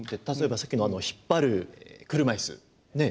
例えばさっきの引っ張る車いす。